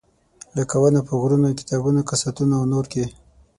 لکه ونه په غرونه، کتابونه، کساتونه او نور کې.